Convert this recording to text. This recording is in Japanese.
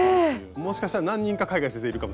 もしかしたら何人か海外先生いるかもしれない。